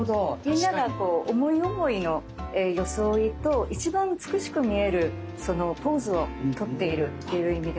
みんながこう思い思いの装いと一番美しく見えるポーズをとっているっていう意味では。